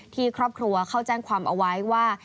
ที่ครอบครัวเขาแจ้งความเอาไว้ว่า